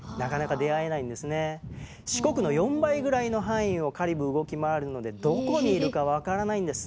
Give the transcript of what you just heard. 四国の４倍ぐらいの範囲をカリブー動き回るのでどこにいるか分からないんです。